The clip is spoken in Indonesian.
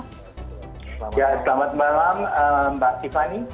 selamat malam mbak tiffany